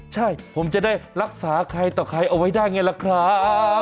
ใช่ผมจะได้รักษาใครต่อใครเอาไว้ได้ไงล่ะครับ